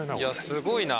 すごいな。